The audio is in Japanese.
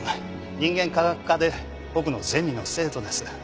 人間科学科で僕のゼミの生徒です。